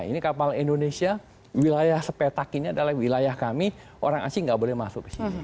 ini kapal indonesia wilayah sepetak ini adalah wilayah kami orang asing nggak boleh masuk ke sini